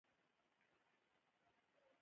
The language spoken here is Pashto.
افغانستان د غزني له مخې پېژندل کېږي.